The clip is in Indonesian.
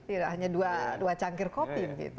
ya hanya dua cangkir kopi gitu